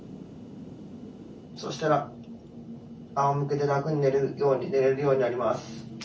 そしたらあおむけで楽に寝れるように寝れるようになります